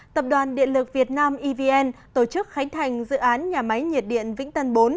tập đoàn điện lực việt nam evn tổ chức khánh thành dự án nhà máy nhiệt điện vĩnh tân bốn